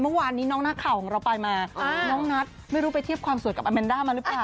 เมื่อวานนี้น้องนักข่าวของเราไปมาน้องนัทไม่รู้ไปเทียบความสวยกับอาแมนด้ามาหรือเปล่า